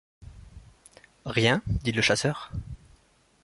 Rien ? dit le chasseur.